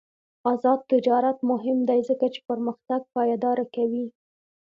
آزاد تجارت مهم دی ځکه چې پرمختګ پایداره کوي.